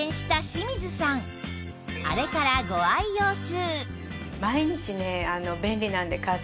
あれからご愛用中